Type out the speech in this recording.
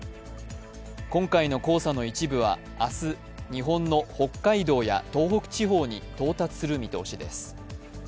今回の黄砂の一部は明日、日本の北海道や東北地方に到達する見通しです。